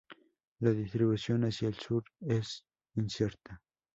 La distribución hacia el sur es incierta.